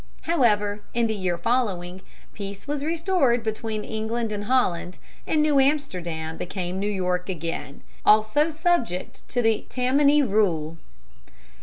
However, in the year following, peace was restored between England and Holland, and New Amsterdam became New York again, also subject to the Tammany rule.